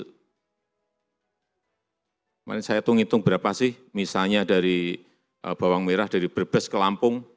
kemarin saya tunggu tunggu berapa sih misalnya dari bawang merah dari berbes ke lampung